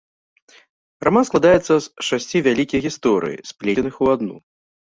Раман складаецца з шасці вялікіх гісторый, сплеценых у адну.